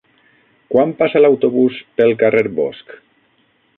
Quan passa l'autobús pel carrer Bosc?